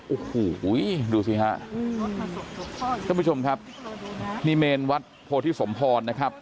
โอ้โหดูสิฮะท่านผู้ชมครับนี่เมนวัดโพธิสมพรนะครับ